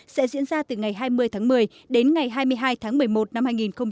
sẽ diễn ra từ ngày hai mươi tháng một mươi đến ngày hai mươi hai tháng một mươi một năm hai nghìn hai mươi